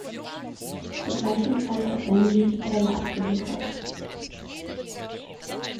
Zur gleichen Zeit hat Benji die Perle abgeliefert.